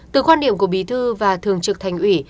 từ quan điểm của bí thư và thường trực thành ủy